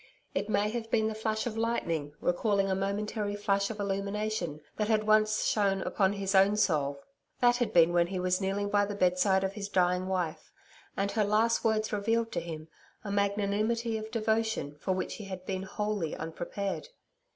It may have been the flash of lightning recalling a momentary flash of illumination that had once shone upon his own soul. That had been when he was kneeling by the bedside of his dying wife, and her last words revealed to him a magnanimity of devotion for which he had been wholly unprepared.